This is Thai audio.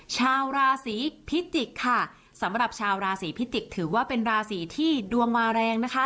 ชาวราศีพิจิกค่ะสำหรับชาวราศีพิจิกษ์ถือว่าเป็นราศีที่ดวงมาแรงนะคะ